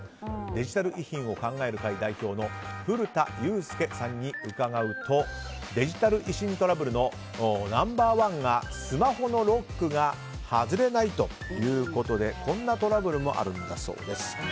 デジタル遺品を考える会代表の古田雄介さんに伺うとデジタル遺品トラブルのナンバー１がスマホのロックが外れないということでこんなトラブルもあるんだそうです。